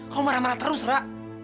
kamu marah marah terus rak